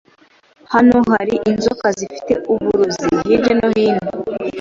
Hano hari inzoka zifite uburozi hirya no hino?